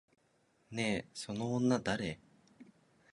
ねえ、その女誰？